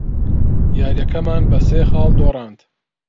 یارییەکەمان بە سێ خاڵ دۆڕاند.